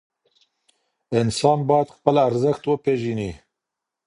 انسان باید خپل ارزښت وپېژني.